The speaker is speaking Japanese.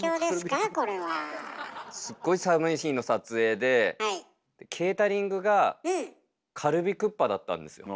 すっごい寒い日の撮影でケータリングがカルビクッパだったんですよ。